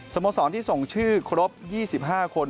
โมสรที่ส่งชื่อครบ๒๕คน